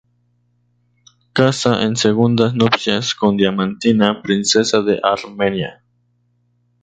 Casa en segundas nupcias con Diamantina, princesa de Armenia.